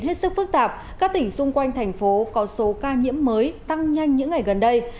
hết sức phức tạp các tỉnh xung quanh thành phố có số ca nhiễm mới tăng nhanh những ngày gần đây